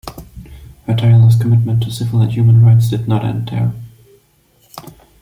Her tireless commitment to civil and human rights did not end there.